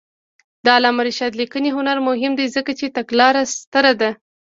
د علامه رشاد لیکنی هنر مهم دی ځکه چې تګلاره ستره ده.